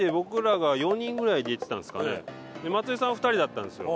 松井さんは２人だったんですよ